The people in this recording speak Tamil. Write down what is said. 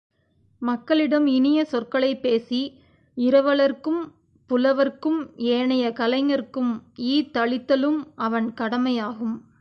மக்களிடம் இனிய சொற்களைப் பேசி இரவலர்க்கும் புலவர்க்கும் ஏனைய கலைஞர்க்கும் ஈத்தளித்தலும் அவன் கடமையாகும்.